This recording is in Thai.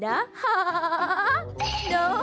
ให้ได้เห็นลูกหล่อนะ